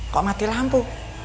kok mati lampu